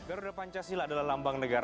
garuda pancasila adalah lambang negara